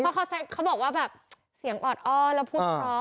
เพราะเขาบอกว่าแบบเสียงออดอ้อแล้วพูดเพราะ